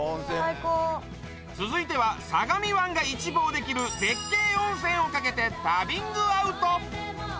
最高続いては相模湾が一望できる絶景温泉をかけて旅ングアウト！